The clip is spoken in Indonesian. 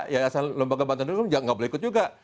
yayasan lembaga bantuan hukum juga tidak boleh ikut juga